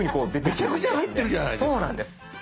めちゃくちゃ入ってるじゃないですか！